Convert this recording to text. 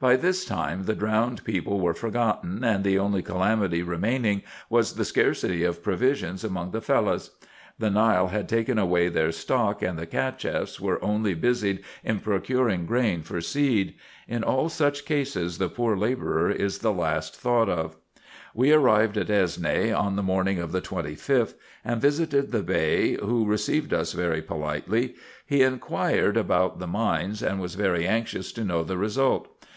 By this time the drowned people were forgotten, and the only calamity remaining was the scarcity of provisions among the Fellahs. The Nile had taken away their stock, and the Cacheffs were only busied in procuring grain for seed. In all such cases the poor labourer is the last thought of. We arrived at Esne on the morning of the 25th, and visited the Bey, who received us very politely : he inquired about the IN EGYPT, NUBIA, &c. 347 mines, and was very anxious to know the result.